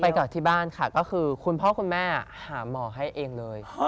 ก่อนที่บ้านค่ะก็คือคุณพ่อคุณแม่หาหมอให้เองเลย